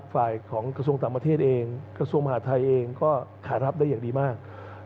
ฝ่ายของกระทรวงต่างประเทศเองกระทรวงมหาทัยเองก็ขารับได้อย่างดีมาก